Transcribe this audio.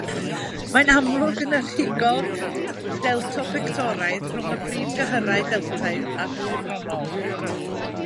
Mae'n amlwg yn y rhigol deltopectoraidd rhwng y prif gyhyrau deltaidd a dwyfronnol.